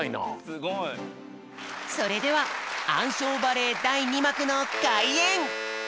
すごい！それではあんしょうバレエだい２まくのかいえん！